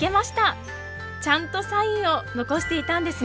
ちゃんとサインを残していたんですね！